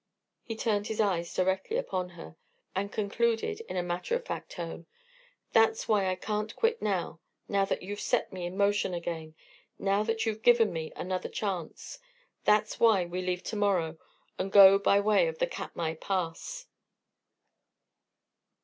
He turned his eyes directly upon her, and concluded, in a matter of fact tone: "That's why I can't quit, now that you've set me in motion again, now that you've given me another chance. That's why we leave to morrow and go by way of the Katmai Pass."